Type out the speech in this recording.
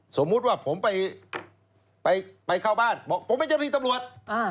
สมมุติว่าผมไปเข้าบ้านบอกว่าผมไม่ใช่ที่ตำรวจ